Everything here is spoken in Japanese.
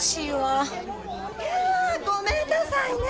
いやごめんなさいね。